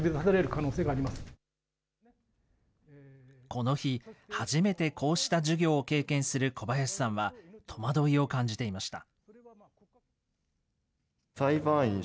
この日、初めてこうした授業を経験する小林さんは戸惑いを感じていました。